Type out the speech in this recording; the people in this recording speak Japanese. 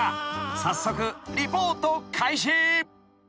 ［早速リポート開始］